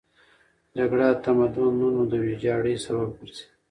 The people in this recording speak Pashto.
جګړه د تمدنونو د ویجاړۍ سبب ګرځي.